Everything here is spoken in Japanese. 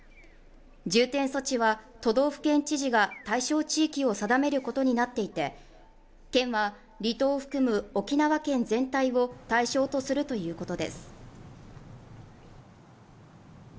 重点措置は都道府県知事が対象地域を定めることになっていて県は離島を含む沖縄県全体を対象とするということです